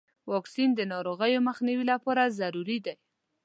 واکسین د ناروغیو مخنیوي لپاره ضروري دی.